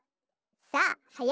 さあはや